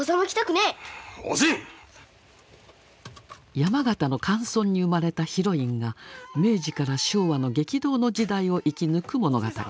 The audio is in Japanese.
山形の寒村に生まれたヒロインが明治から昭和の激動の時代を生き抜く物語。